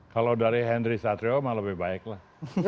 kalau dari henry satrio mah lebih baik lah